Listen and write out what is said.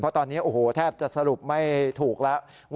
เพราะตอนนี้โอ้โหแทบจะสรุปไม่ถูกแล้ว